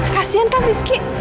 kasian kan rizky